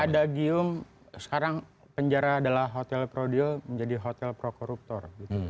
ada gium sekarang penjara adalah hotel prodio menjadi hotel pro koruptor